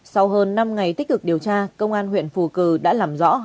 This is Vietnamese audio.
sau hơn năm ngày tích cực điều tra công an huyện phù cử đã làm rõ